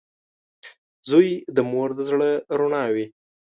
• زوی د مور د زړۀ رڼا وي.